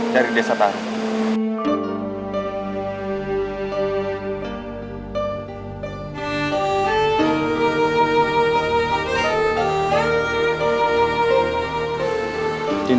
dari desa tarun